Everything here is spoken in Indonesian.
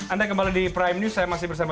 anda kembali di prime news saya masih bersama